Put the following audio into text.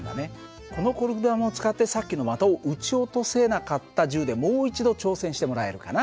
このコルク弾を使ってさっきの的を撃ち落とせなかった銃でもう一度挑戦してもらえるかな。